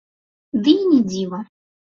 Ды і не дзіва.